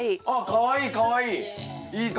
あっかわいいかわいい。